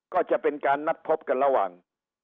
ก็จะเป็นการนัดพบกันระหว่าง